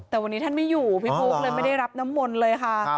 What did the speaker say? แต่วันนี้ท่านไม่อยู่พี่บุ๊คเลยไม่ได้รับน้ำมนต์เลยค่ะ